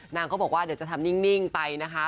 นางก็บอกว่าเดี๋ยวจะทำนิ่งไปนะคะ